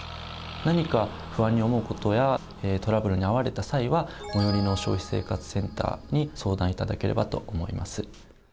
何か不安に思う事やトラブルに遭われた際は最寄りの消費生活センターに相談頂ければと思います。